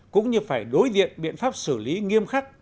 cũng như phải đối diện biện pháp xử lý nghiêm khắc